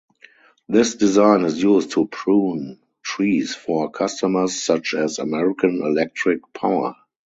This design is used to prune trees for customers such as American Electric Power.